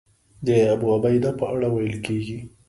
د ابوعبیده په اړه ویل کېږي.